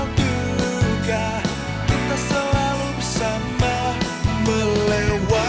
lo tuh kayaknnya gak pernah main bola ya